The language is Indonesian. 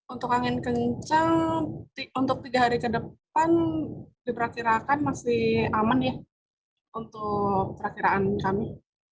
untuk angin kencang untuk tiga hari ke depan diperkirakan masih aman ya untuk perakiraan kami